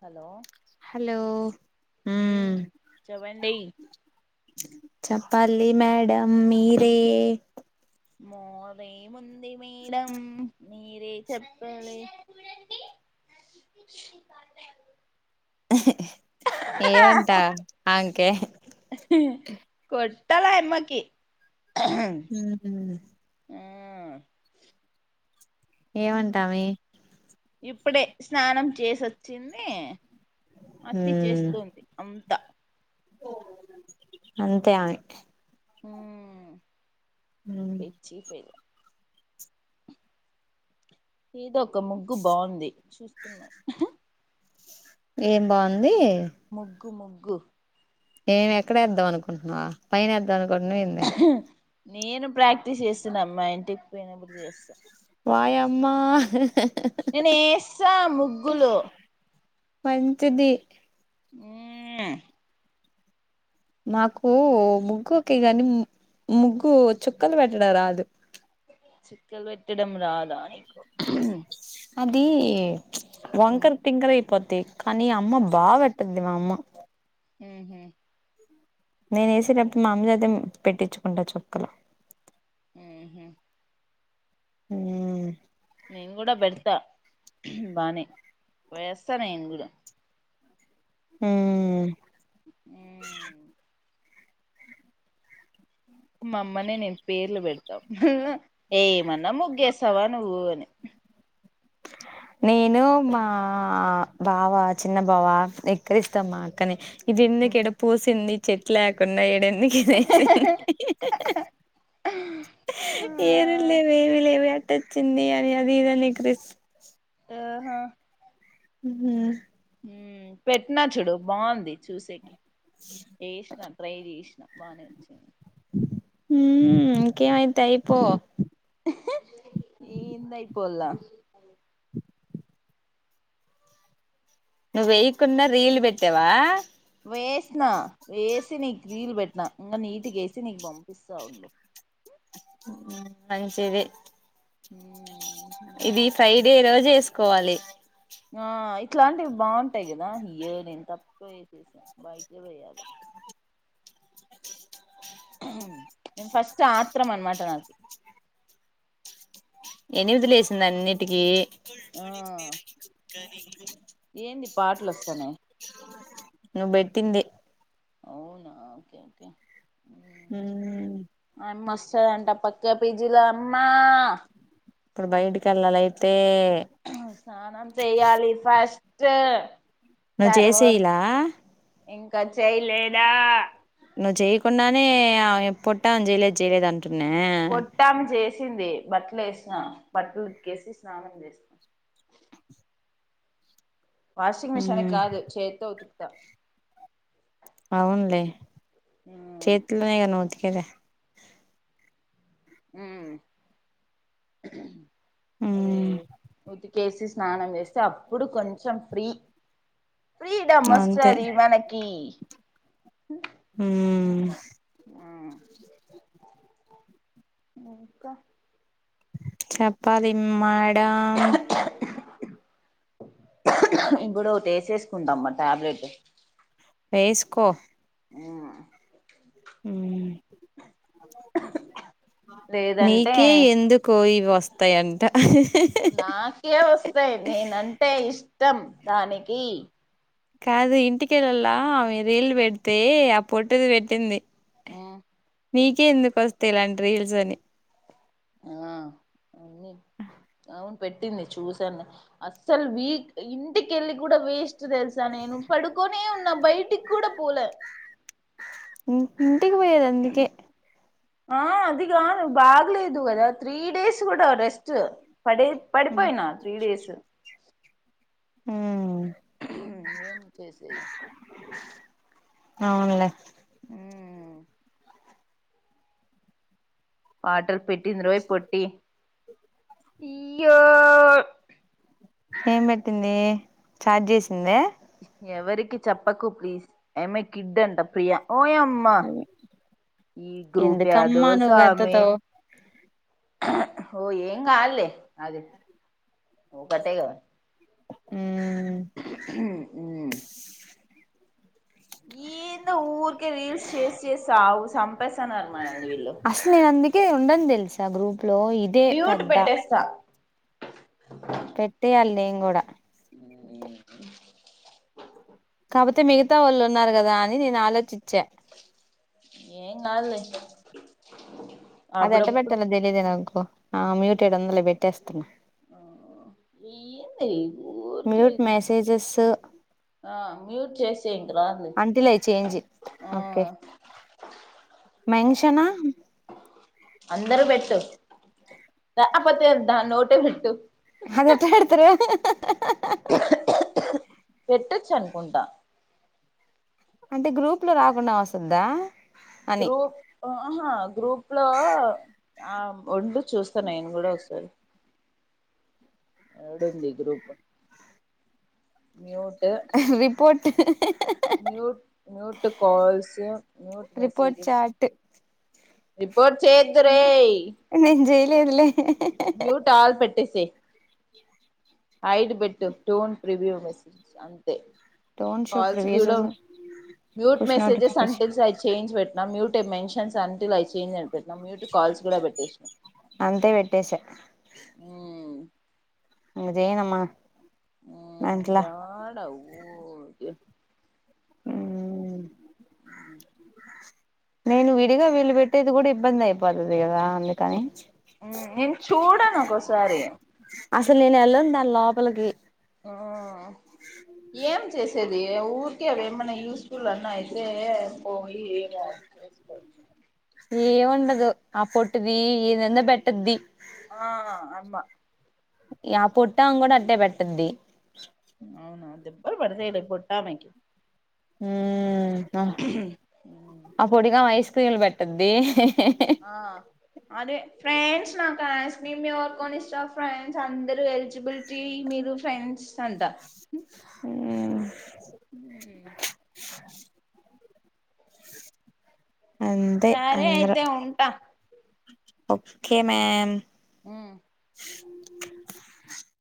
Hello hello మ్మ్ చేవండి చెప్పాలి మేడం మీరే మోదే ము అద మేడమ్ మీరు చెప్పాలి. ఆ ఏవంటా అంకే కొట్టల అమ్మాకి ఊహూ ఏమంటామి ఇప్పుడే స్నానం చేసోచ్చింది అతి మ్మ్ చేస్తుంది అంతా అంతే ఆమె హూ ఉమ్ ఏ చీపైన ఏదో ఒక ముగ్గు బాగుంది చూస్తున్నా ఏం బాగుంది ముగ్ గ్గు ముగ్గు ఏమ్ ఎక్కడేద్దాం అనుకుంటున్నావ్ పైన వద్దాం అ కొన్న ఏంది నేను ప్రాక్టీస్ చేస్తున్న అమ్మాయ్ ఇంటికి పోయినప్పుడు చేస్తా వయమ్మా నేను వేస్తా ముగ్గులు మంచిది ఉమ్ మాకు ముగ్గు ఒకే గాని ముగ్గు చుక్కలు పెట్టడం రాదు చుక్కలు పెట్టడం రాదా నీకు అది ఉహు వంకర్ తింకర ఐపోత్ కానీ అమ్మా బా వెట్టద్ది మా అమ్మా ఉహూమ్ నేనే వేసటప్పుడు మా అమ్మ చేత పెట్టించుకుంటా చుక్కల ఉహు ఉమ్ నేను కూడా పెడతా బానే వేస్తా నేను కూడా ఉమ్ ఉమ్ మా అమ్మనే నేను పేర్లు పెడతాం ఏమన్నా ముగ్గేస్తావా నువ్వు అని నేను మా బావ చిన్న బావ ఎక్కరిస్తము మా అక్కని ఇదేందుకీడ పూసింది చెట్ లేకుండా ఏడైన్ అందుకనే ఏమి లేవు ఏవి లేవి ఎట్టొచ్చింది అని అది ఇదని ఎక్కిరిస్ ఆహా ఉహూ పెట్టిన చూడు బాగుంది చూసేకి ఏషిన ట్రైజేషిన బానే వచ్చే హూమ్మ్ ఇంకేమై ఇహి ఏంది ఐపోల నువ్వు వెేయకున్న రీల్ పెట్టావా వేషిన వేసి నీకు రీల్ పెట్టినా ఇంగా నీట్ గా వేసి నీకు పంపిస్తా ఉండు మంచిది ఉమ్ ఇది బాగుంటాయి ఫ్రైడే రోజు ఏసుకోవాలి ఆ ఇట్లాంటివి బావుంటాయి గదా ఇయరేం నేను తప్ప వేసేసా బయట వయాలి ఫస్ట్ ఆత్రం అన్మాట నాకు ఎనిమిదిలేసింది అన్నిటికీ ఆ ల్రిని ఏంది పాటలు వస్తన్నాయ్ నువ్ బెటిందే అవునా ఓకే ఓకే హుమ్మ్ మస్తదంట పక్క పిజీల అమ్మా ఇప్పుడు బయటికి వెళ్ళాలయితే స్నానం చేయ్యాలి ఫస్ట్ నువ్ తర్వా జేసియలా ఇంకా చేయలేదా నువ్ చేయకుండానే ఆ పొట్టా చేయలేదు చేయలేదం ట్టున్నే చింది బట్టలు ఏసిన బట్టలు ఉతికేసి స్నానం చేస్తా వాషింగ్ మిషన్ ఉమ్ కాదు చేేత్తో ఊతు ద అవున్లే మ్మ్ చేతుల్లోనే కద ఉతికి కద ఉమ్ అదే ఉమ్ ఉతి కేేసి స్నానం చేస్తే అప్పుడు కొంచెం ఫ్రీ ఫ్రీడాం అంతే వస్తాది మనకి ఆమ్ ఇంకా చప్పాలి మా అమ్ ఇంప్పుడు టేస్సుకుంటామ్మా టాబ్లెట్ ఎేసుకో ఆ ఉ లేదంటే నీకే ఎందు కోయివా వస్తాయంట నాకే వస్తాయి నేన అంటే ఇష్ట ఇత్తం దానికి కాదు ఇంటికెళ్లలా ఆమె రీళ్లు పెడితే ఆ పొట్టుది పెట్టింది. ఆ నీకే ఎందుకు వస్తేలాండి రీల్స్ అని ఆ అ అవును పెట్టింది చూసాను. అస్సలు వీక్ ఇంటికెళ్ళి కూడా వేస్ట్ తెలుసా నేను పడుకొనే ఉన్నా బయటికి కూడా పోలే. ఇ వటికి పోయదా అందుకే ఆ అది గాదు బాగులేదు కదా త్రీ డేస్ కూడా రెస్ట్ పడే-పడిపోయినా త్రీ డేస్ ఉమ్ ఏం చేసేది [inaudible] అవునులే ఊమ్ [inaudible] పాటల్ పెట్ పెట్టింది రోయ్ పొట్టి ఇయ ఏం పెట్టింది చాట్ చేసిందే ఎవరికి చెప్పకు ప్లీజ్ ఈ అమ్మాయి కిడ్ అంట ప్రియా ఓ యమ్మ అదే ఈ గ్రూప్ యాదో ఎందుకమ్మా సామి నువ్వెత్తుతావ్ ఓ ఏంగ్ అలే అదిే ఓ కటగావ ఉ ఉ [inaudible] ఈంద ఊరు రీల్స్ చేసి చేస్తవు పసానా అమాది వీళ్ళ ఉంద తెలిసా గ్రూప్ లో ఇదే పెద్ద అ [inaudible] పెట్టేయాలి ఏం కూడా [inaudible] కాకపోతే మిగతా వాళ్ళు ఉన్నారు కదా అని నేను ఆలోచించా. ఏ కాదులే అది అప్పుడప్పుడు యేటబెటలో తెలిదే నావకు ఆ మ్యూటెడ్ ఉందిలే పెట్టేస్తాన్నా ఏంది ఊరికే మ్యూట్ మెసేజెస్ ఆ మ్యూట్ చేసి అంటిలే చేజ్ ఆ ఓకే మెన్షన్ అందరు పెట్టు [unintelligible] నోటే పెట్టు ఆది ఎట్టా పెడతారే పెట్టొచ్చు అనుకుంటా అంటే గ్రూప్ లో రాకుండా వస్తుందా గ్రూప్ ఆహా గ్రూప్ లో ఆ వండు చూస్తా నేను కూడా ఒకసారి ఎడుంది ఈ గ్రూప్ మ్యూ report mute calls mute report messages chat ఇప్పు పో చేదురే లేదు లే మ్యూట్ ఆల్ పెట్టేసే హైడ్ పెట్టు don't review message don't show calls previous గీయడం మ్యూట్ పుష్ మెసేజెస్ అంట నోటిఫికేషన్ [unintelligible] చేయించి పెట్ట నా మ్యూటే మెన్షన్స్ అంటలా చేంజ్ అని పెట్నాం మ్యూట్ కాల్స్ కూడా పెట్టేసాం అంతే పెట్టేసా ఇంకా జేయనమ జడ ఆవు ఓకే ఆ నేను విడిగా వీలు పెట్టేది కూడా ఇబ్బంది అయిపోతుది కదా అందుకని నేను చూడాను ఒక్కోసారి అసలు నేను వెళ్ళను దాని లోపలికి ఆ ఏం చేస్త [unintelligible] ఊరుకే అ ఏమ్మన్నా యూస్ఫుల్ అన్నాయతేే పో ఇదొకటి చేసుకోవచ్చు ఏంండదు ఆ పొట్ది ఏదన్న పెట్టద్ది ఆ అమ్మా ఆ పుట్ట కూడా అట్టే పెట్టంది అవునా అ దె ఎబ్బర పడుసలే పోట్టామెకు హ ఉ అప్పుటిగా వైస్ తీలు పెట్టద్ది ఆ అదే ఫ్రెండ్స్ నా కు అస్క్రిమ్ కోన్ ఇస్ర్ ఆఫ్ ఫ్రెండ్స్ అందరు ఎలిజిబిలిటీ మీరు ఫ్రెండ్స్ అంట ఆ అ [inaudible] [inaudible] అంతే సరే అంద్ర అయితే ఉంటా ఓకే మ్యామ్ ఆ